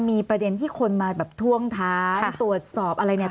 มีประเด็นที่คนมาแบบท่วงท้ายตรวจสอบอะไรเนี่ย